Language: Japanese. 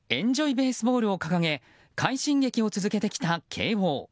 ・ベースボールを掲げ快進撃を続けてきた慶應。